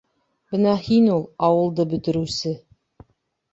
Бына һин ул -ауылды бөтөрөүсе.